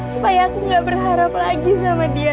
supaya aku gak berharap lagi sama dia